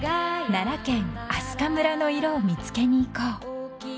［奈良県明日香村の色を見つけに行こう］